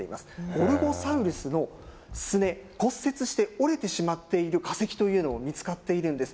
ゴルゴサウルスのすね、骨折して折れてしまっている化石というのも見つかっているんです。